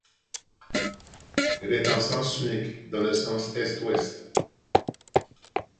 Elle est en sens unique, dans le sens est-ouest.